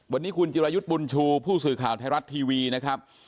วันนี้คุณจิรายุทธ์บุญชูผู้สื่อข่าวไทยรัฐทีวีนะครับ